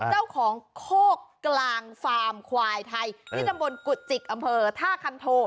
โคกกลางฟาร์มควายไทยที่ตำบลกุจิกอำเภอท่าคันโท